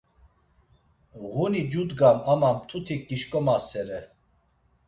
Ğuni cudgam ama mtutik gişǩomasere.